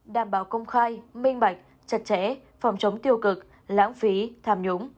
đảm bảo công khai minh bạch chặt chẽ phòng chống tiêu cực lãng phí tham nhũng